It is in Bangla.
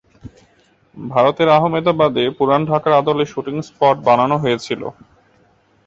ভারতের আহমেদাবাদে পুরান ঢাকার আদলে শুটিং স্পট বানানো হয়েছিল।